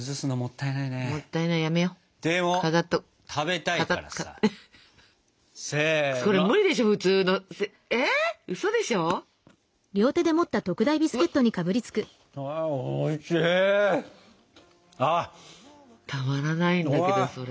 たまらないんだけどそれ。